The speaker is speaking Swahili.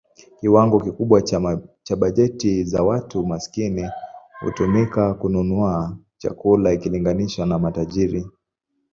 Kiwango kikubwa cha bajeti za watu maskini hutumika kununua chakula ikilinganishwa na matajiri.